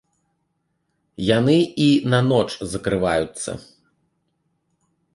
Яны і на ноч закрываюцца.